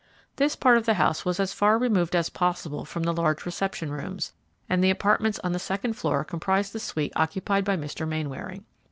This part of the house was as far removed as possible from the large reception rooms, and the apartments on the second floor comprised the suite occupied by Mr. Mainwaring.